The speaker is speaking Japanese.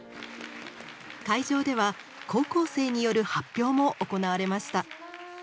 会場では高校生による発表も行われました。